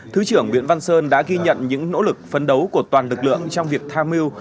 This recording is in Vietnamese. thứ trưởng nguyễn văn sơn đã ghi nhận những nỗ lực phấn đấu của toàn lực lượng trong việc tham mưu